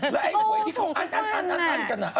แล้วไอ้หวยที่เขาอัน